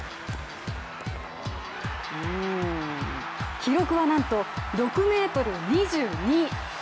記録はなんと６ｍ２２。